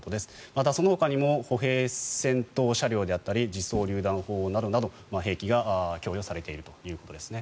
またそのほかにも歩兵戦闘車両であったり自走りゅう弾砲などなど兵器が供与されているということです。